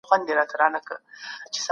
ټکنالوژي د رسنيو خپرونې چټکې کوي.